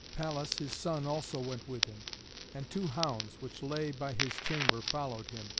Pallas, his son, also went with him. And two hounds, which lay by his chamber, followed him.